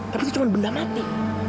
tapi itu cuma benda mati